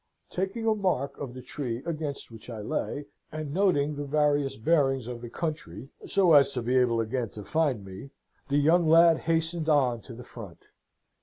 Taking a mark of the tree against which I lay, and noting the various bearings of the country, so as to be able again to find me, the young lad hastened on to the front.